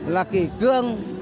là kỳ cương